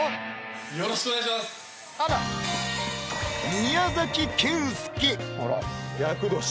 よろしくお願いします厄年！